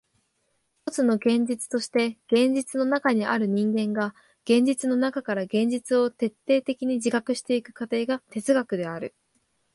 ひとつの現実として現実の中にある人間が現実の中から現実を徹底的に自覚してゆく過程が哲学である。